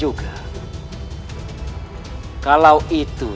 jangan sampai ada